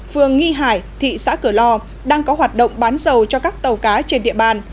phương nghi hải thị xã cửa lò đang có hoạt động bán dầu cho các tàu cá trên địa bàn